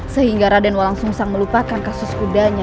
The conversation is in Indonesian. sehingga raden walang sumsang melupakan kasus kudanya